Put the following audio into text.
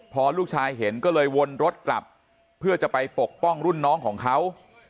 พอลูกชายเห็นก็เลยวนรถกลับเพื่อจะไปปกป้องรุ่นน้องของเขา